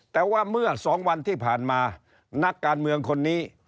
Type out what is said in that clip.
แต่ว่าเมื่อ๒วันที่ผ่านมานักการเมืองคนนี้